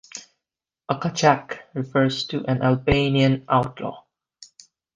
A "Kachak" refers to an Albanian outlaw.